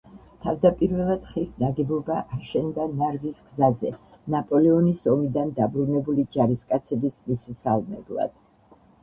თავდაპირველად ხის ნაგებობა აშენდა ნარვის გზაზე, ნაპოლეონის ომიდან დაბრუნებული ჯარისკაცების მისასალმებლად.